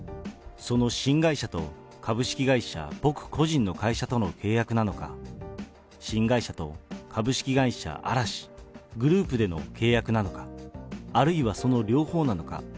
その新会社と株式会社僕個人の会社との契約なのか、新会社と株式会社嵐グループでの契約なのか、あるいはその両方なのか。